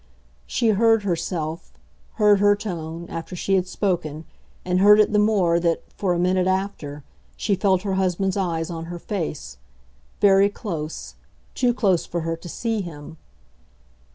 She heard herself, heard her tone, after she had spoken, and heard it the more that, for a minute after, she felt her husband's eyes on her face, very close, too close for her to see him.